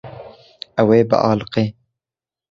Ew ê bialiqe.